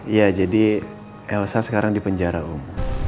iya jadi elsa sekarang dipenjara om